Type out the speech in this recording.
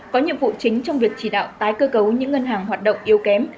có nhiệm vụ chính trong việc chỉ đạo tái cơ cấu những ngân hàng hoạt động yếu kém